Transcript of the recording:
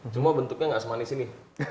cuma bentuknya nggak semanis ini